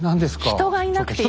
人がいなくて忙しい。